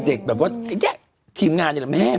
แต่เด็กแบบว่าไอ้เจ๊ครีมงานอย่างนี้แหละ